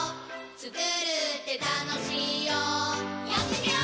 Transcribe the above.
つくるってたのしいよやってみよー！